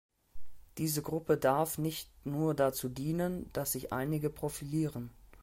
Diese Gruppe darf nicht nur dazu dienen, dass sich einige profilieren.